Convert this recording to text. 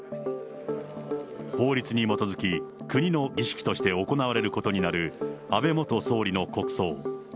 法律に基づき、国の儀式として行われることになる安倍元総理の国葬。